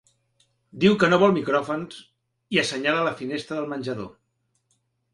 Diu que no vol micròfons i assenyala la finestra del menjador.